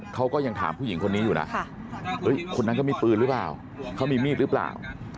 เขาก็ยังถามผู้หญิงคนนี้อยู่นะคนนั้นก็มีปืนหรือเปล่าเขามีมีดหรือเปล่า